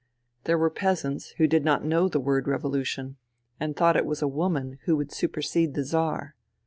There were peasants who did not know the word " revolution " and thought it was a woman who would supersede the Czar.